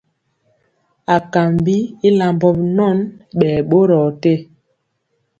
Akambi i lambɔ binɔn, ɓɛ ɓorɔɔ te.